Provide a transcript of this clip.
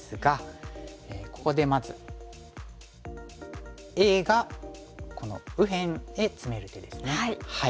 ここでまずＡがこの右辺へツメる手ですね。